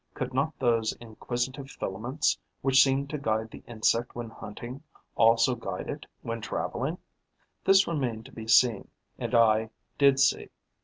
Could not those inquisitive filaments, which seem to guide the insect when hunting, also guide it when travelling? This remained to be seen; and I did see.